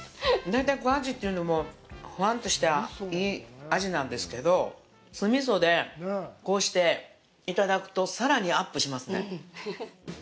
大体、アジというのもほわんとしたいい味なんですけど、酢味噌でこうしていただくと、さらにアップしますね！